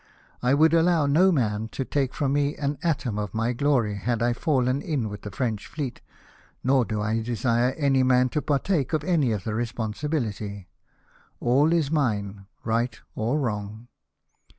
I would allow no man to take from me an atom of my glory had I fallen in with the French fleet ; nor do I desire any man to partake any of the responsibility. All is mine, right or wrong."